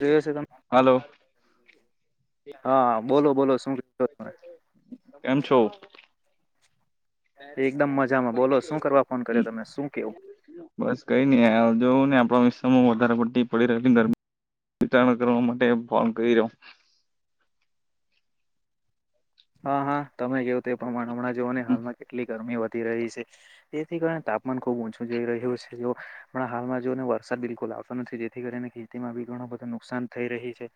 જોયો છે તમે હલો. હા બોલો બોલો શું ક તમે [inaudible] કેમ છો? એકદમ મજામાં. બોલો શું કરવા ફોન કર્યો તમે શું? કેવું બસ કઈની જોવુંને આપડો મીસ વઘારે પડતી [unintelligible] માટે કયરો. [inaudible] હા હા, તમે કેવ તે પ્રમાણે હમણાં જુઓને હાલમાં કેટલી ગરમી વધ રહી છે, તેથી કારણે તાપમાન ખુબ ઓછું જઈ રહ્યું છે, પણ હાલમાં જોને વરસાદ બિલકુલ આવતો નથી જેથી કરીને ખેતીમાં બી ઘણુ બધુ નુકસાન થઈ રહી છે,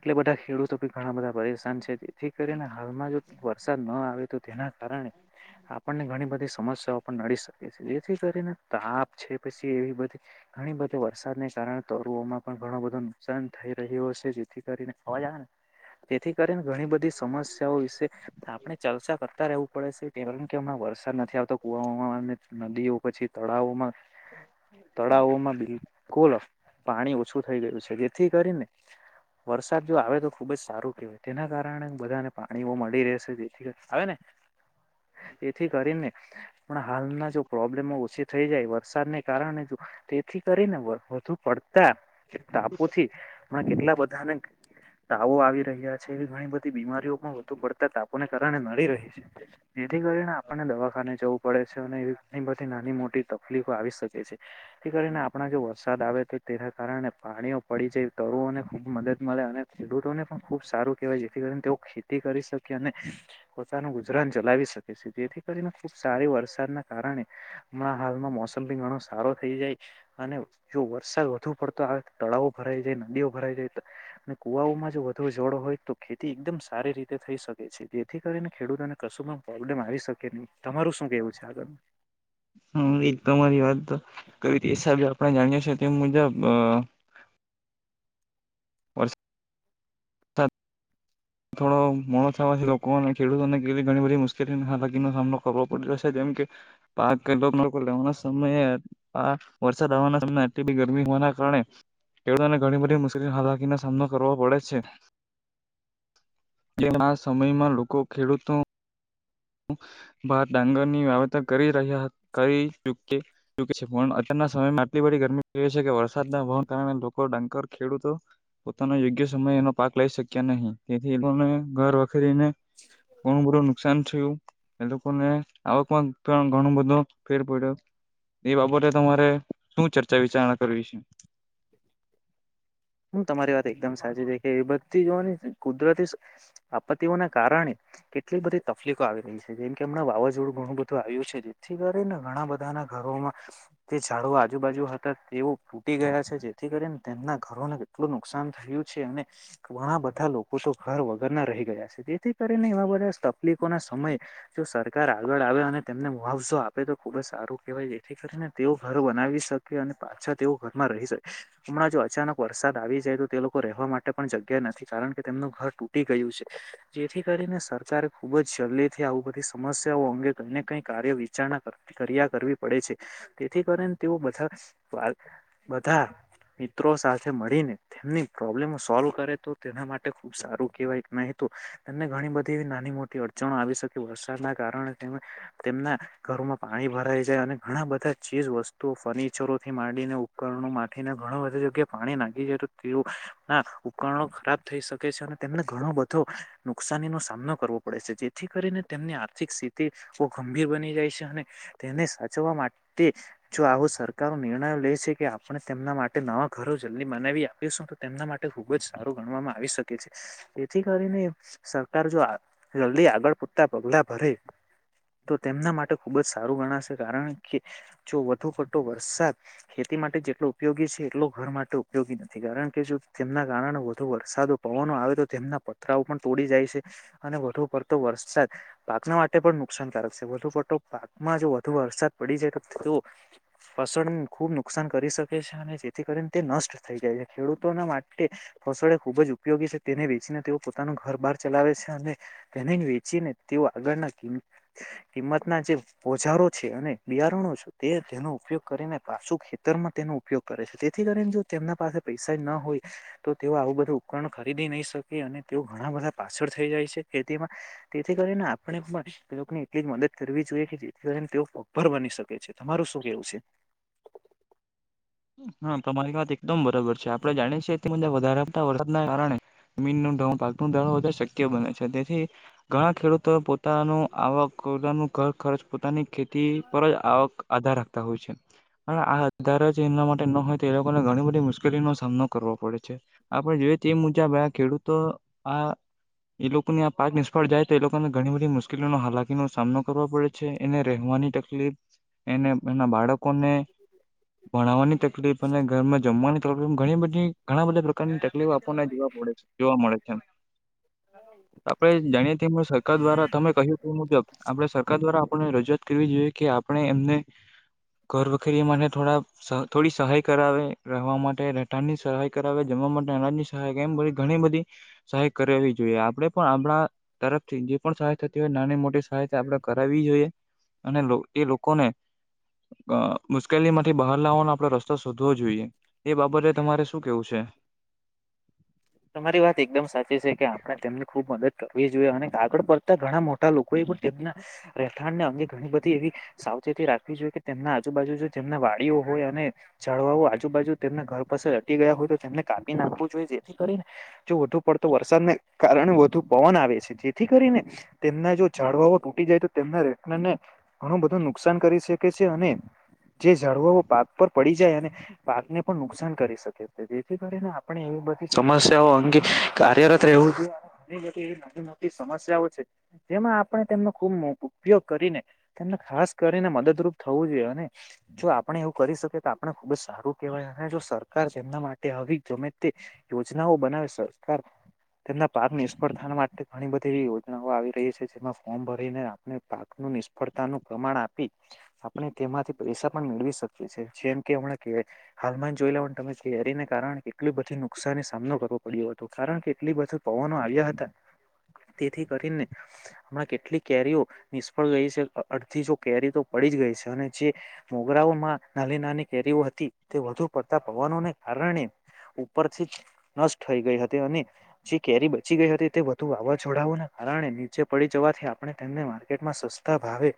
એટલે બધા ખેડૂતો ઘણા બધા પરેશાન છે, જેથી કરીને હાલમાં જો વરસાદ ન આવે તો તેના કારણે આપણને ઘણી બધી સમસ્યાઓ પણ નડી શકે છે, જેથી કરીને તાપ છે, પછી એવી બધી ઘણી બધી વરસાદને કારણે તરુઓમાં પણ ઘણો બધો નુકસાન થઈ રહ્યો છે, જેથી કરીને અવાજ આવે જેથી કરીને ઘણી બધી સમસ્ હોય છે, આપણે ચર્ચા કરતા રહેવું પડે છે, કારણ કે વરસાદ નથી આવતો કુવા હવામાનને નદીઓ પછી તળાવોમાં તળાવોમાં બિલકુલ પાણી ઓછું થઈ ગયું છે જેથી કરીને વરસાદ જો આવે તો ખુબ જ સારું કેહેવાય તેના કારણે બધાને પાણીઓ મળી રેહશે જેથી કર આવે ને એથી કરીને પણ હાલના જો પ્રોબ્લેમો ઓછી થઈ જાય વરસાદને કારણે જો તેથી કરીને વધ વધુ પડતા ટાપુથી પણ કેટલા બધાને તાવો આવી રહ્યા છે, એવી ઘણી બધી બીમારીઓ વધુ પડતા તાપોને કારણે નડી રહી છે, જેથી કરીને આપણને દવાખાને જવું પડે છે અને ની પરથી નાની મોટી તકલીફો આવી શકે છે, જેથી કરીને આપણા જો વરસાદ આવે તો તેના કારણે પાણીઓ પડી જાય તરુઓને ખુબ મદદ મળે અને ખેડૂતોને પણ ખુબ સારું કેહેવાય જેથી કરી તેઓ ખેતી કરી શકે અને પોતાનું ગુજરાન ચલાવી શકે છે, જેથી કરીને ખુબ સારી વરસાદના કારણે હણા હાલમાં મોસમી ઘણો સારો થઈ જાય અને જો વરસાદ વધુ પડતો આવે તળાવો ભરાઈ જાય નદીઓ ભરાઈ જાય અને કુવાઓમાં જો વધુ જોડો હોય તો ખેતી એકદમ સારી રીતે તે થઈ શકે છે જેથી કરીને ખેડૂતોને કશું પણ પ્રોબ્લેમ આવી શકે નહી તમારું શું કેવું છે આગળ હ એક તોરી વાત તો કી હિસાબે આપણે જાણીએ છે તે મુજબ [unintelligible] વરસાદ થોડો મોડો થવાથી લોકોને ખેડૂતોને કેલી ઘણી બધી મુશ્કેલી હાલાકીનો સામનો કરવો પડી રહ્યો છે, તેમ પાક કેટલાક લોકો લેવાના સમયે વરસાદ આવવાના સમય આટલી બી ગરમી હોવાના કારણે ખેડૂતોને ઘણી બધી મુશ્કેલી હાલાકીનો સામનો કરવો પડે છે, કેમ આ સમયમાં લોકો ખેડૂતો ભાત ડાંગર ની વાવેતર કરી રહ્યા કરી ચૂકે છે અત્યારના સમયમાં આટલી બધી ગરમી છે કે વરસાદના હો કારણે લોકો ડંકર ખેડૂતો પોનો યોગ્ય સમય એનો પાક લઈ શક્યા નહીં તેથી એ લોકોને ઘર વખરીને કોણ બધું નુકસાન થયું એ લોકોને આવકમાં પણ ઘણું બધો ફેર પડ્યો એ બાબતે તમારે. શું ચર્ચા વિચારણા કરવી છે? [inaudible] હું તમારી વાત એકદમ સાચી છે, કે વિભક્તિની કુદરતી આપત્તિઓના કારણે કેટલી બધી તકલીફો આવી રહી છે, જેમ કે મણા વાવાઝોડું ઘણું બધું આવ્યું છે, જેથી કરી ને ઘણા બધા ના ધરો જે ઝાડુ આજુબાજુ હતા તેઓ ફૂટી ગયા છે. જેથી કરીને તેમના ઘરોને કેટલું નુકસાન થયું છે, અને ઘણા બધા લોકો તો ઘર વગરના રહી ગયા છે, જેથી કરીને એવા બધા તકલીફોના સમયે જો સરકાર આગળ આવે અને તેમને મુહાવ જો આપે તો ખુબ જ સારું કહેવાય જેથી કરીને તેઓ ઘર બનાવી શકે અને પાછા તેઓ ઘરમાં રહી શકે. હમણાં જો અચાનક વરસાદ આવી જાય તો તે લોકો રહેવા માટે પણ જગ્યા નથી કારણ કે તેમનું ઘર તૂટી ગયું જેથી કરીને સરકારે ખુબ જ જલ્દીથી આવ બધી સમસ્યાઓ અંગે કઈને કઈ કાર્ય વિચાર કર્યા કરવી પડે છે તેથી કરીને તેઓ બધા [unintelligible] મિત્રો સાથે મળીને તેમની પ્રોબ્લેમ સોલ્વ કરે તો તેના માટે ખુબ સારું કેહેવાય નહી તેમને ઘણી બધી નાની મોટી અડચણો આવી શકે વરસાદના કારણે તેમના ધરો પાણી ભરાઈ જાય અને ઘણા બધા ચીજ વસ્તુઓ ફર્નિચરોથી માંડીને ઉપરણો માથીને ઘણું બધું જગ્યા પાણી નાખી જાય તો તેઓ ના ઉપકરણો ખરાબ થઈ શકે છે તેમને ઘણો બધો નુકસાની નો સામનો કરવો પડે છે, જેથી કરીને તેમની આર્થિક સ્થિતિ ગંભીર બની જાય છે, અને તેને સાચવા માટે જો આવો સરકારો નિર્ણયો લે છે કે પણ તેમના માટે નવા ઘરો જલ્દી બનાવી આપીશું તો તેમના માટે ખુબ જ સારું ગણવામાં આવી શકે છે. તેથી કરીને સરકાર જો જલ્દી આગળ પૂરતા પગલા ભરે તો તેમના માટે ખુબ જ સારું ગણાશે કારણ કે જો વધુ પટો વરસાદ ખેતી માટે ઉપયોગી છે એટલો ઘર માટે ઉપયોગી નથી કારણ કે જો તેમના કારણે વધુ વરસાદો પવનો આવે તો પથરાઓ પણ તોડી જાય છે, અને વધુ પડતો વરસાદ પાકના માટે પણ નુકસાનકારક છે. પટો પાકમાં જો વધુ વરસાદ પડી જાય તો તો ફસણને ખુબ નુકસાન કરી શકે અને જેથી કરીને તે નષ્ટ થઈ જાય છે, ખેડૂતોના માટે ફસળ એ ખુબ જ ઉપયોગી છે, તેને વેચી તેઓ પોતાનું ઘર બાર ચલાવે છે, અને તેને વેચીને તેઓ આગળના કિંમ રમત ના જે ઓજારો છે, અને બિયારણો છે, તે તેનો ઉપયોગ કરીને પાસુ ખેતરમાં તેનું ઉપયોગ કરે છે તેથી કરીને જો તેમના પાસે પૈસા ન હોય તો તેઓ આવું બધું ઉપકરણ ખરીદી નહી શકે તે ઘણા બધા પાછળ થઈ જાય છે ખેતીમાં તેથી કરીને આપણે પણને એટલી જ મદદ કરી કરવી જોઈએ કે જેથી કરીને તેઓ પગભર બની શકે છે તમારું શું કેવું છે. હા તમારી વાત એકદમ બરાબર છે આપડણે જાણીએ છેએ તેજ વધારે આવતા વરસાદના કારણે મીન પાક નું વધારે શક્ય બને છે તેથી ઘણા ખેડૂતો પોતાનું આવક પોતાનું ઘર ખર્ચ પોતાની ખેતી પર જ આવક આધાર રાખતા હોય છે અને આ આધાર જ એના માટે નો હોય તો એ લોકોને ઘણી બધી મુશ્કેલીનો સામનો કરવો પડે છે આપડણે જોઈએ તે મુજબ ખેડૂત તો આ એ લોકોને આ પાક નિષ્ફળ જાય તો એ લોકોને ઘણી બધી મુશ્કેલીનો હાલાકીનો સામનો કરવો પડે છે એને રહેવાની તકલીફ એને એના બાળકોને વાની તકલીફ અને ઘરમાં જમવાની તકલી ઘણી બધી ઘણા બધા પ્રકારની તકલીફ આપણને જોવા મળે છે જો મળે છે. [inaudible] [inaudible] આપડે જાણીએ સરકાર દ્વારા તમે કહ્યું તે મુજબ આપડે સરકાર દ્વારા આપણે રજૂઆત કરવી જોઈએ કે આપણે એમને ઘર વખરી માટે થોડા થોડી સહાય કરાવે રહેવા માટે રહેઠાણ ની સહાય કરાવે જમવા માટે અનાજની સહાય કેમ બધી ઘણી ગણી બધી સહાય કરવી જોઈએ આપણે પણ આપણા તરફથી જે પણ સહાય થાય નાની મોટી સહય આપણે કરાવવી જોઈએ અને એ લોકો કોને હ મુશ્કેલીમાંથી બહાર લાવવાનો આપડણે રસ્તો શોધવો જોઈએ એ બાબતે તમારે શું કેવું છે. તમારી વાત એકદમ સાચી છે કે આપણે તેમને ખુબ મદદ કરવી જોઈએ અને કાગળ પડતા ઘણા મોટા લોકો એ પણ તેમના રહેઠાણને અંગે ઘણી બધી એવી થી રાખવી જોઈએ કે તેમના આજુબાજુ જેમના વાડીઓ હોય અને જડવાઓ આજુબાજુ તેમના ઘર પાસે વધી ગયા હોય તો તેમને કાપી નાખવુ જોઈએ જેથી જો વધુ પડતો વરસાદને કારણે વધુ પવન આવે છે જેથી કરીને તેમના જો ઝાડવાવો તૂટી જાય તો તેમના રહેઢાણને ઘણું બધું નુકસાન કરી શકે છે અને જે ઝાડવાઓ પાક પર પડી જાય અને પાકને પણ નુકસાન કરી શકે જેથી કરીને આપણે એવી બધી સમસ્યાઓ અંગે કાર્યરત એવું રહેવું જોઈએ ઘણી બધી એવી નાની મોટી સમસ્યાઓ છે જેમાં આપણે તેમનો ખુબ ઉપયોગ કરીને તેમના ખાસ કરીને મદદરૂપ થવું જોઈએ અને જો આપણે એવું કરી શકીએ તો આપણે ખુબ જ સારું કેહેવાય અને જો સરકાર જેમના માટે આવી ગમે તે યોજનાઓ બનાવે સરકાર તેમના પાક નિષ્ફળતા માટે ઘણી બધી એવી યોજનાઓ આવી રહી છે જેમાં ફોર્મ ભરીને આપણે પાક નિષ્ફળતા નું પ્રમાણ આપી આપણે તેમાંથી પૈસા પણ મેળવી શકીએ છીએ જેમ કે હમણા હાલમાં જ જોઈ લાવને તમે કેરીને કારણ કેટલું બધી નુ નુકસાાન સામનો કરવો પડ્યો હતો કારણ કે એટલી બધો પવનો આવ્યા હતા તેથી કરીને હમણાં કેટલી કેરીઓ નિષ્ફળ ગઈ છે અડધી જો કેરી તો પડી પડી ગઈ છે. અને જે મોગરાઓમાં નાની નાની કેરીઓ હતી, તે વધુ પડતા પવનોને કારણે [inaudible] ઉપરથી નષ્ટ થઈ ગઈ હતી અને જે કેરી બચી ગઈ હતી તે વધુ વાવાઝોડાઓના કારણે નીચે પડી જવાથી આપણે તેમને માર્કેટમાં સસ્તા ભાવે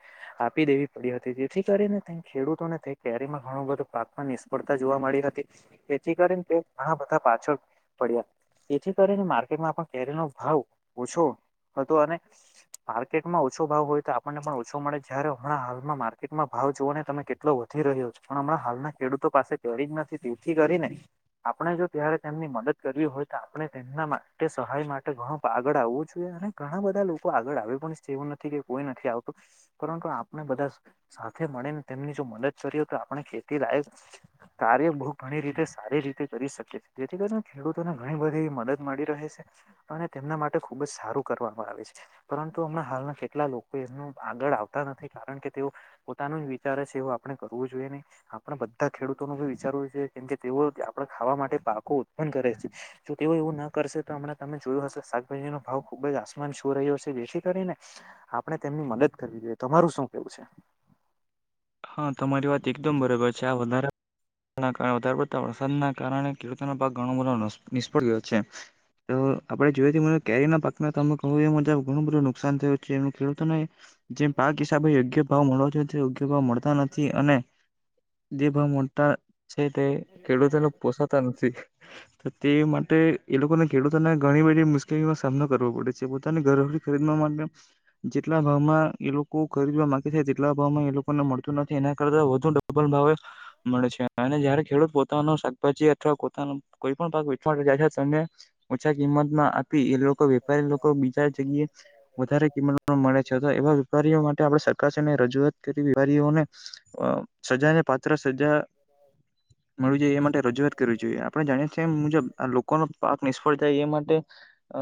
આપી દેવી પડી હતી જેથી કરીને ખેડૂતોને કેરીમાં ઘણું બધું પાકમાં નિષ્ફળતા જોવા મળી હતી જેથી કરીને તેઓ ઘણા બધા પાછળ પડ્યા તેથી કરીને માર્કેટમાં પણ કેરી નો ભાવ ઓછો હતો અને માર્કેટમાં ઓછો ભાવ હોય તો આપણને પણ ઓછો મળે જય્યારે હમણા હાલમાં માર્કેટમાં ભાવ જોઓ ને તમે કેટલો વધારે રહ્યો છે પણ હમણાં હાલના ખેડૂતો પાસે કરી જ નથી તેથી કરીને આપણે જો ત્યારે તેમની મદદ કરવી હોય તો આપણે તેમના માટે સહાય માટે ઘણું આગળ આવવું જોઈએ. ઘણા બધા લોકો આગળ આવી પણ એવું નથી કે કોઈ નથી આવતું પરંતુ આપણે બધા મળીને તેમની જો મદદ કરી હો તો, આપણે ખેતી લાયક કાર્ય બહુ ઘણી રીતે સારી રીતે કરી શકે છે. જેથી કરીને ખેડૂતોને ઘણી બધી મદદ મળી રહે છ અને તેમના માટે ખુબ જ સારું કરવામાં આવે છે. પરંતુ હમણાં હાલના કેટલા લોકો એ આગળ આવતા નથી કારણ કે તેઓ પોતાના વિચારે છે. એવું આપણે કરવું જોઈએ ને આપણે બધા ખેડૂતો નું ભી વિચારવ જોઈએ કેમ કે તેઓ આપડા ખાવા માટે પાકો ઉત્પન્ન કરે છે જો તેઓ એવું ના કરશે તો હમં તમે જોયું હશે શાકભાજી નો ભાવ ખૂબ જ આસમાન છું રહ્યો છે. જેથી કરીને આપણે તેમની મદદ કરવી જોઈએ. તમારું શું કેવું છે? હા તમારી વાત એકદમ બરાબર છે. આ વધારા વધારે પડતા વરસાદના કારણે ખેડૂતોનો ભાગ ઘણો બધો નિષ્ફળ ગયો છે. તો આપણેે જોઈ મને કેરી ના પાકમાં તમે કહો એ મુજબ ઘણું બધું નુકસાન થયું છે એ ખેડૂતો ને જેમ પાક હિસાબે યોગ્ય ભાવ મળવા જો યોગ્ય ભાવ મળતા નથી અને તે ભાવ મલતા છે તે ખેડૂતોને પોષતા નથી તે માટે એ લોકોને ખેડૂતોને ઘણી બધી મુશ્કેલીઓનો સામનો કરવો પડે છે. પોતાની ઘરવખરી ખરીદવા માટે જેટલા ભાવમાં એ લોકો ખરીદવા માંગે છે. તેટલા ભાવમાં એ લોકો? ને મળતું નથી એના કરતા વધુ ડબલ ભાવે મળે છે. અને જયારે ખેડૂત પોતાનો શાકભાજી અથવા કોઈ પણ [unintelligible] તેને ઓછા કિંમતમાં એ લોકો વેપારી લોકો બીજા જગ્યાએ વધારે કિંમત મળે છે. એવા વેપારીઓ માટે આપડે ચકાસીને રજૂઆત કરી વેપારીઓને સજાને પાત્ર સજા મળવું જોઈએ. એ માટે રજૂઆત કરવી જોઈએ. આપણે જાણીએ છીએ એ મુજબ આ લોકોનો પાક નિષ્ફળ થાય એ માટે અ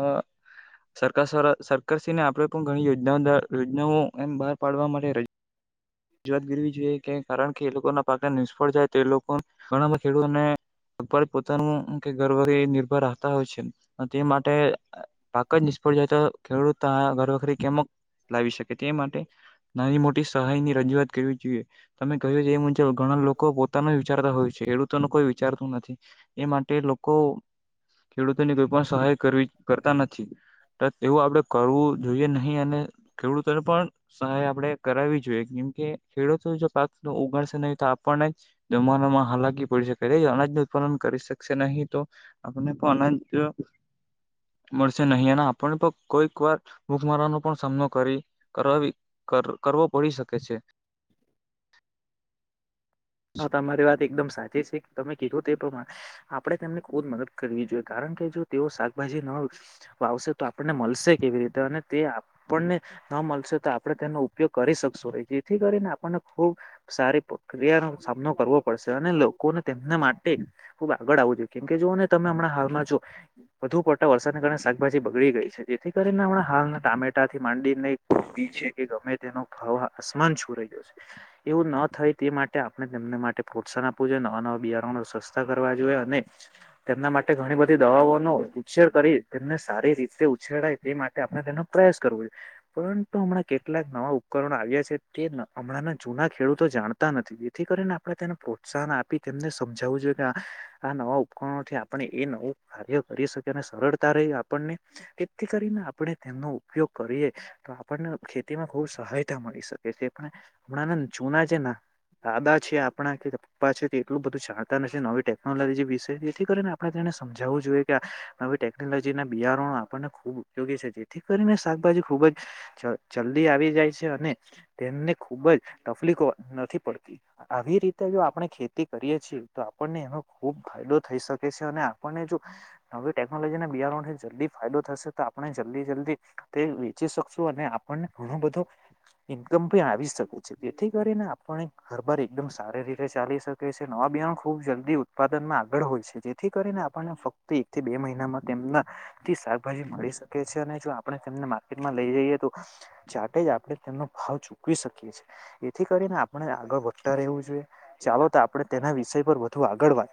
સરકાર સરકારશ્રીને આપડે પણ ઘણી યોજના યોજનાઓ એમ બહાર પાડવા માટે ર જૂવાત કરવી જોઈએ કે કારણ કે એ લોકોના પાક ને નિષ્ફળ જાય તે લોકો ઘણા બધા ખેડૂતોને [unintelligible] પોતાનું કે [unintelligible] નિર્ભર હોય છે તે માટે પાક જ નિષ્ફળ જાય તો ખેડૂત ઘર વખરી કેમક લાવી શકે? તે માટે નાની મોટી સહાયની રજૂઆત કરવી જોઈએ. તમે કહયુ એ મુજબ ઘણા લોકો પોતાનો વિચારતા હોય છે. ખેડૂતોને કોઈ વિચારતું નથી. એ માટે લોકો ખેડૂતોની કોઈ પણ સહાય કરવી કરતા નથી. એવું આપડે કરવું જોઈએ નહી અને ખેડૂતોને પણ સહાય આપડે કરાવવી જોઈએ. કેમ કે ખેડૂતો જો પાક ઉગાડશે નહી તો આપણને જમાનામાં હાલાકી પડી શકે અનાજન [inaudible] ઉત્પાદન કરી શકશે નહી તો આપને અનાજ મળશે નહીં અને આપને પણ કોઈક વાર ભૂખમારાનો પણ સામનો કરી કરવી કરવો પડી શકે છે. હા તમારી વાત એકદમ સાચી છે. તમે કીધો તે પ્રમાણે આપણે તેમને ખુદ મદદ કરવી જોઈએ કારણ કે જો તેઓ શાકભાજી ન વાવશે તો આપણને મળશે કેવી રીતે અને તે આપણને ન મળશે તો, આપણે તેનો ઉપયોગ કરી શક શુ જેથી કરીને આપણને ખુબ સારી પ્રક્રિયા નું સામનો કરવો પડશે અને લોકોને તેમને માટે ખુબ આગળ આવવું જોઈએ કેમ કે જોઓને તમે હમણાં હાલમાં જો વધુ પડતા વરસાદને કારણે શાકભાજી બગડી ગઈ છે જેથી કરીને હમણા હાલના ટામેટા થી માંડીને ઈ છે કે ગમે તેનો ભાવ આસમાન છૂ રહ્યો છે એવું ના થાય તે માટે તેમને માટે પ્રોત્સાહન આપવું જોઈએ નવા નવા બિયારણો સસ્તા કરવા જોઈએ અને તેમના માટે ઘણી બધી દવાઓનો ઉછેર કરી તેમને સારી રીતે ઉછેરાાય તે માટે આપણે તેનો પ્રયાસ કરવો જોઈએ. પરંતુ હમણાં કેટલાક નવા ઉપકરણો આવ્યા છે તે હમણાંના જૂના ખેડૂતો જાણતા નથી. જેથી કરીને આપણે તેને પ્રોત્સાહન આપી તેમને સમજાવવું જોઈએ કે આ નવા ઉપકરણોથી આપણે એ નવું કાર્ય કરી શકે અને સરળતા રહી આપણને જેથી કરીને આપડે તેમનો ઉપયોગ કરીએ. તો આપણને ખેતીમાં ખૂબ સહાયતા મળી શકે છે પણ હમણાં જૂના છે ના દાદા છે આપણા કે પપ્પા છે તે એટલું બધું જાણતા નથી નવી ટેકનોલોજી વિશે જેથી કરીને આપણે તેને સમજાવવુ જોઈએ કે નવી ટેકનોલોજી ના બિયારણો આપણને ખૂબ ઉપયોગી છે જેથી કરીને શાકભાજી ખુબ જ જલ્દી આવી જાય છે અને તેમને ખુબ જ તકલીફો નથી પડ આવી રીતે જો આપણે ખેતી કરીએ છીએ તો આપણને એનો ખુબ ફાયદો થઈ શકે છે અને આપણને જો નવી ટેકનોલોજીને બિયારનો થી જલ્દી ફાયદો થશે તો આપણે જલ્દી જલ્દી તે વેચી શકશું અને આપણને ઘણો બધ ઇનકમ ભી આવી શકે છે તેથી કરીને આપણે હર બાર એકદમ સારી રીતે ચાલી શકે છે, નવા બિયારણ ખૂબ જલ્દી ઉત્પાદનમાં આગળ હોય છે, જેથી કરીન આપને ફક્ત એક થી બે મહિનામાં તેમનાથી શાકભાજી મળી શકે છે, અને જો આપણે તેમને માર્કટ લઈ જઈએ તો જાતે જ આપણે તેમનો ભાવ ચૂકવી શકીએ છીએ, એથી કરીને આપ પણે આગળ વધતા રહેવું જોઈએ, ચાલો તો આપણે તેના વિષય પર વધુ આગળ વાત